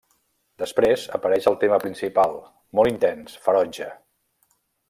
Després apareix el tema principal, molt intens, ferotge.